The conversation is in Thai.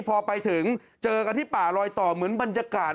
พอไปถึงเจอกันที่ป่าลอยต่อเหมือนบรรยากาศ